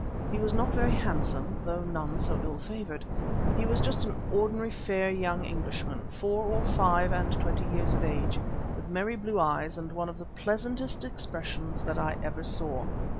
He was not very handsome, though none so ill favoured. He was just an ordinary fair young Englishman, four or five and twenty years of age, with merry blue eyes and one of the pleasantest expressions that I ever saw.